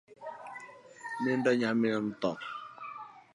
Nindo nyamin tho